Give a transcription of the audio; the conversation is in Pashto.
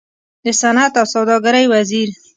د صنعت او سوداګرۍ وزير